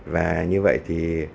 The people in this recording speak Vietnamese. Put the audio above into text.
và như vậy thì